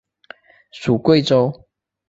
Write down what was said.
属桂州。